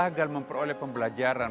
gagal memperoleh pembelajaran